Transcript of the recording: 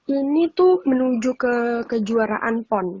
ini tuh menuju ke kejuaraan pon